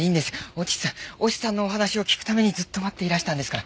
越智さん越智さんのお話を聞くためにずっと待っていらしたんですから。